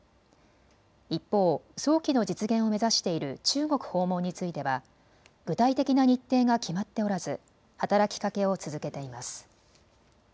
一方、早期の実現を目指している中国訪問については具体的な日程が決まっておらず働きかけを続けています。